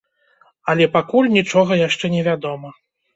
Але пакуль нічога яшчэ не вядома.